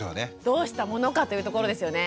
どうしたものかというところですよね。